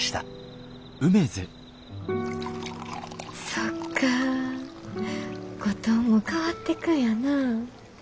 そっか五島も変わっていくんやな。